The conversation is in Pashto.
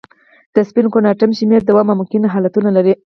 د سپین کوانټم شمېره دوه ممکنه حالتونه لري.